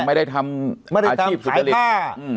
แต่ไม่ได้ทำอาชีพสุดฤทธิ์ไม่ได้ทำขายผ้าอืม